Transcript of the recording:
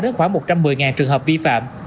đến khoảng một trăm một mươi trường hợp vi phạm